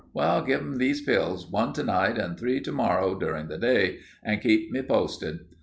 Well, give 'im these pills, one to night and three to morrow, during the day, and keep me posted."